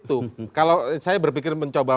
itu kalau saya berpikir mencoba